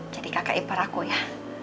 jadi kakak ipar aku ya